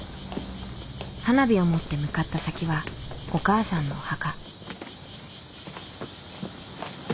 花火を持って向かった先はお母さんのお墓。